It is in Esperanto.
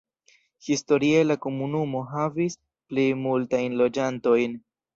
Historie la komunumo havis pli multajn loĝantojn.